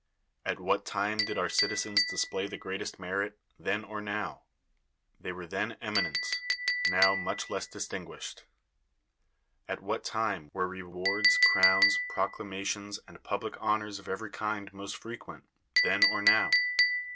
At what time did our citizens display the greatest merit — then or now ? They were then eminent ; now, much less distinguished. At what time were re wards, crowns, proclamations, and public hon ors of every kind most frequent — then or now?